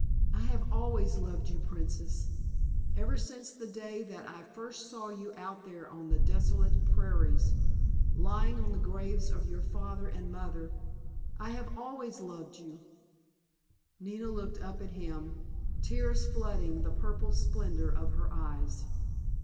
"I have always loved you, Princess. Ever since the day that I first saw you out there on the desolate prairies, lying on the graves of your father and mother. I have always loved you——" Nina looked up at him, tears flooding the purple splendor of her eyes.